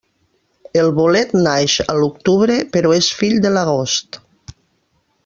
El bolet naix a l'octubre però és fill de l'agost.